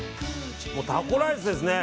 タコライスですね。